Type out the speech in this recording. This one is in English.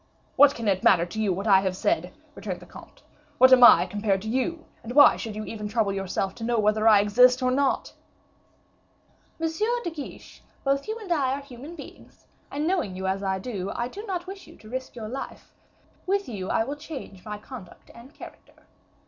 "What can it matter to you what I said?" returned the comte. "What am I compared to you, and why should you even trouble yourself to know whether I exist or not?" "Monsieur de Guiche, both you and I are human beings, and, knowing you as I do, I do not wish you to risk your life; with you I will change my conduct and character.